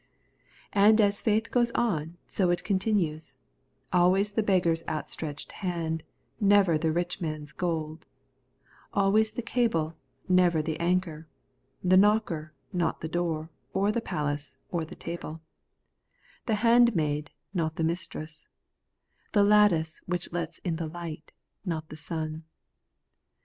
And as faith goes on, so it continues ; always the l>oggar's outstretched hand, never the rich man's gold ; always the cable, never the anchor ; the ktiockcr, not the door, or the palace, or the table ; tho handmaid, not the mistress ; the lattice which lots in the light, not the sun.